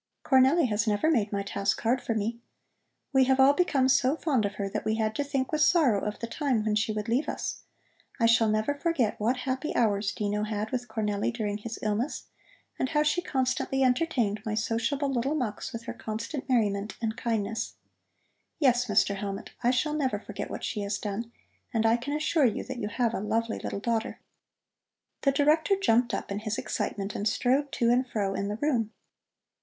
Cornelli has never made my task hard for me. We have all become so fond of her that we had to think with sorrow of the time when she would leave us. I shall never forget what happy hours Dino had with Cornelli during his illness and how she constantly entertained my sociable little Mux with her constant merriment and kindness. Yes, Mr. Hellmut, I shall never forget what she has done, and I can assure you that you have a lovely little daughter." The Director jumped up in his excitement and strode to and fro in the room.